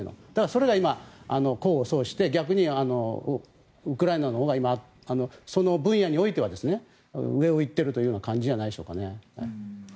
それが今、功を奏して逆にウクライナのほうが今、その分野においては上を行っているという感じじゃないでしょうかね。